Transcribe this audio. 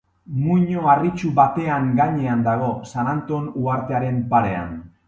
Muino harritsu batean gainean dago, San Anton uhartearen parean.